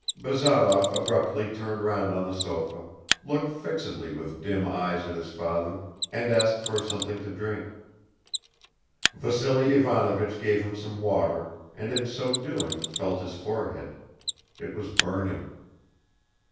Bazarov abruptly turned round on the sofa, looked fixedly with dim eyes at his father and asked for something to drink. Vassily Ivanovich gave him some water and in so doing felt his forehead; it was burning.